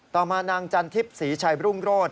ต่อมานางจันทิพย์ศรีชัยรุ่งโรธ